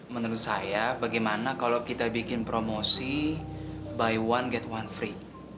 menurut saya bagaimana kalau kita bikin promosi by one gate one free